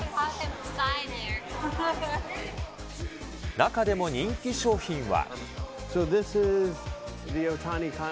中でも人気商品は。